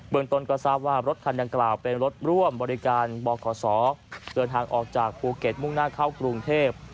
เมืองต้นก็ทราบว่ารถคันดังกล่าวเป็นรถร่วมบริการบขเดินทางออกจากภูเก็ตมุ่งหน้าเข้ากรุงเทพ